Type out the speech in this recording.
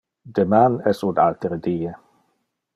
Deman es un altere die.